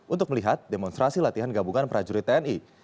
untuk melihat demonstrasi latihan gabungan prajurit tni